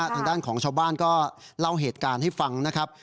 ทางด้านของชาวบ้านก็เล่าเหตุการณ์ให้ฟังนะครับ